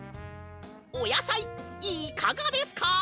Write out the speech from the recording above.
おやさいいかがですか？